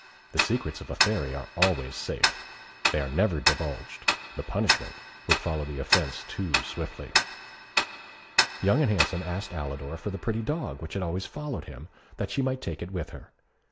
The secrets of a Fairy are always safe. They are never divulged; the punishment would follow the offence too swiftly. Young and Handsome asked Alidor for the pretty dog which had always followed him, that she might take it with her.